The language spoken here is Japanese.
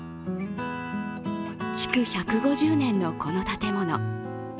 築１５０年のこの建物。